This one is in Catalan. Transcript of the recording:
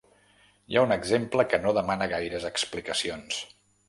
Hi ha un exemple que no demana gaires explicacions.